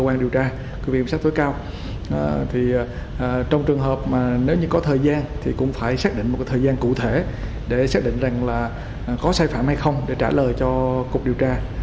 cơ quan điều tra của viện kiểm sát tối cao thì trong trường hợp mà nếu như có thời gian thì cũng phải xác định một cái thời gian cụ thể để xác định rằng là có sai phạm hay không để trả lời cho cục điều tra